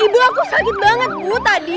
ibu aku sakit banget bu tadi